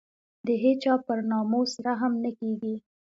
د هېچا پر ناموس رحم نه کېږي.